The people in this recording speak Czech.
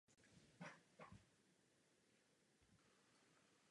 Získal doktorát z chemie na Humboldtově univerzitě pod vedením Hermanna Fischera.